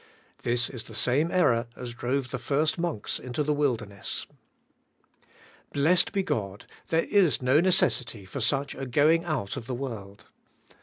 This is the same error as drove the first monks into the wilderness. Blessed be God, there is no necessity for such a going out of the world.